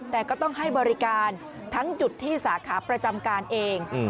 แต่ก็ต้องให้บริการทั้งจุดที่สาขาประจำการเอง